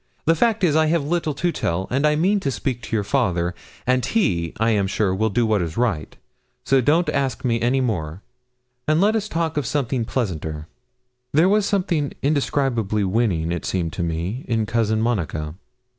The fact is, I have little to tell, and I mean to speak to your father, and he, I am sure, will do what is right; so don't ask me any more, and let us talk of something pleasanter.' There was something indescribably winning, it seemed to me, in Cousin Monica.